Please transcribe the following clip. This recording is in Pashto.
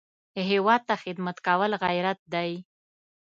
هېواد ته خدمت کول غیرت دی